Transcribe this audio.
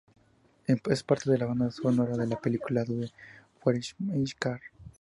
Es parte de la banda sonora de la película "Dude, Where's My Car?".